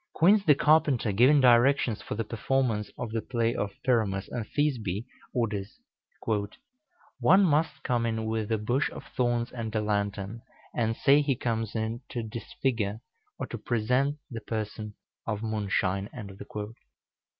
Quince the carpenter, giving directions for the performance of the play of "Pyramus and Thisbe," orders: "One must come in with a bush of thorns and a lantern, and say he comes in to disfigure, or to present, the person of Moonshine."